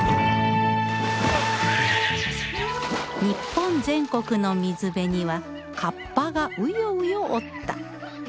日本全国の水辺には河童がうようよおった